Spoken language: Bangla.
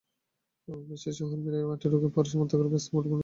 ম্যাচ শেষে হুড়মুড়িয়ে মাঠে ঢুকে পড়া সমর্থকেরা ব্যস্ত মুঠোফোনে স্মৃতিটা ধরে রাখতে।